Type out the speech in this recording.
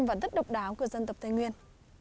và rất độc đáo của dân tộc tây nguyên